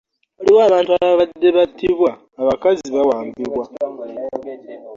Waliwo abantu ababadde battibwa abakazi bawambibwa